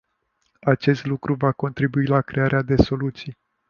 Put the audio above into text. Acest lucru va contribui la crearea de soluții.